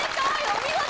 お見事！